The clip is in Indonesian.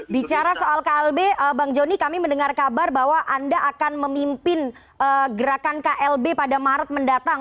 bicara soal klb bang joni kami mendengar kabar bahwa anda akan memimpin gerakan klb pada maret mendatang